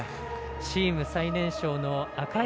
チーム最年少の赤石。